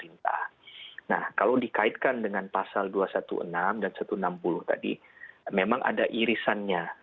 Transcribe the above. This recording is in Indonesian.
nah kalau dikaitkan dengan pasal dua ratus enam belas dan satu ratus enam puluh tadi memang ada irisannya